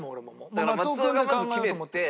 だから松尾がまず決めて。